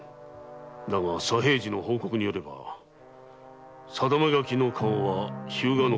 だが左平次の報告によれば定め書きの花押は日向守のもの。